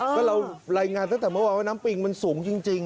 ก็เรารายงานตั้งแต่เมื่อวานว่าน้ำปิงมันสูงจริง